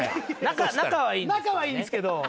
仲はいいんですけどね。